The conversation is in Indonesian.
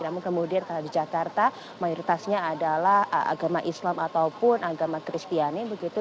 namun kemudian kalau di jakarta mayoritasnya adalah agama islam ataupun agama kristiani begitu